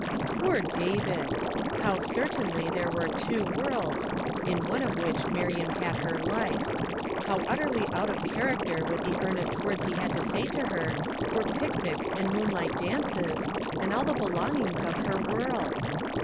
pOOU David! how certairly there were two 1 workls, in one of which Miriam had her life. How utterly out of character with the earnest words lie had to say to her were picnics and moonlig ht dances and all the belongings of her world